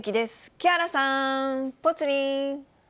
木原さん、ぽつリン。